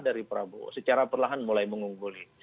dari prabowo secara perlahan mulai mengungguli